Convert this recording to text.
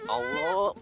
mata liat tuh